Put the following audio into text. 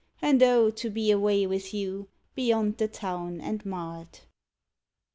And, oh, to be away with you Beyond the town and mart. II.